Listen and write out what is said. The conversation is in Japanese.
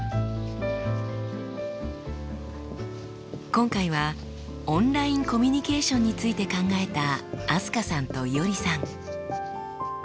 今回はオンラインコミュニケーションについて考えた飛鳥さんといおりさん。